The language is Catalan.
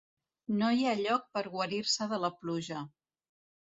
No hi ha lloc per a guarir-se de la pluja.